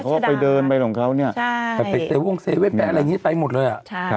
เขาก็ไปเดินไปของเขาเนี่ย